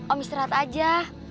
om istirahat aja